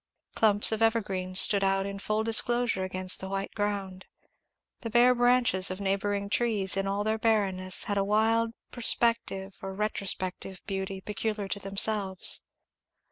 Clumps of evergreens stood out in full disclosure against the white ground; the bare branches of neighbouring trees, in all their barrenness, had a wild prospective or retrospective beauty peculiar to themselves.